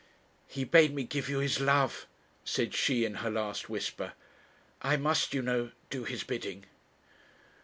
'He bade me give you his love,' said she, in her last whisper; 'I must, you know, do his bidding.'